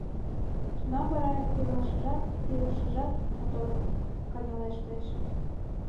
Тунам вара илашыжат, илышыжат моторын каньылештеш.